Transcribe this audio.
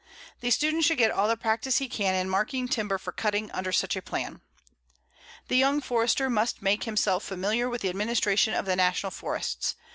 The student should get all the practice he can in marking timber for cutting under such a plan. The young Forester must make himself familiar with the administration of the National Forests.